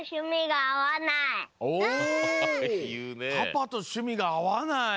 パパとしゅみがあわない？